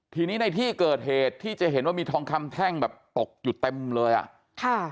ทีนี้ในที่เกิดเหตุที่จะเห็นว่ามีทองคำแท่งแบบตกอยู่เต็มเลยอ่ะค่ะ